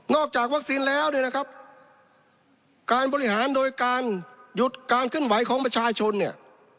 จากวัคซีนแล้วเนี่ยนะครับการบริหารโดยการหยุดการเคลื่อนไหวของประชาชนเนี่ย